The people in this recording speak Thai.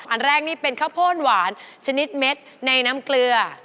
อันแรกนี่เป็นข้าวโพดหวานชนิดเม็ดในน้ำเกลือ